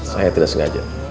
saya tidak sengaja